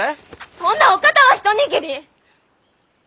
そんなお方は一握り！